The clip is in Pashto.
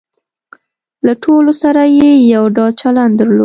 له ټولو سره یې یو ډول چلن درلود.